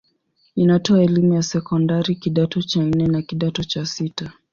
Inatoa elimu ya sekondari kidato cha nne na kidato cha sita.